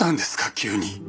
急に。